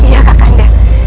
ya kakak indah